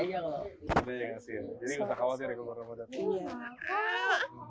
jadi nggak usah khawatir ya keluar ramadan